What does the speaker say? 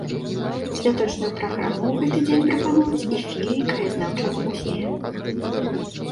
Святочную праграму ў гэты дзень прапануюць і філіі краязнаўчага музея.